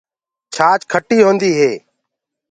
ڇآچ کٽيٚ هوندي هي۔